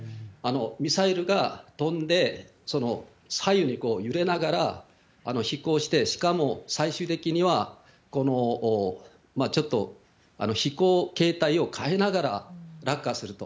ミサイルが飛んで、左右に揺れながら飛行して、しかも最終的にはちょっと飛行形態を変えながら落下すると。